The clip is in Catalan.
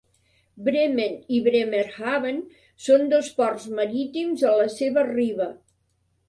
Bremen i Bremerhaven són dos ports marítims a la seva riba.